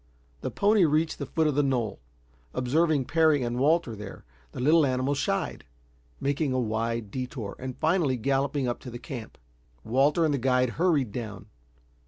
The pony reached the foot of the knoll. Observing Parry and Walter there, the little animal shied, making a wide detour, and finally galloping up to the camp. Walter and the guide hurried down.